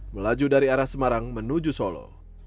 melaju dari arah semarang menuju solo